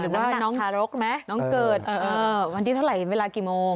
น้องทารกไหมน้องเกิดวันที่เท่าไหร่เวลากี่โมง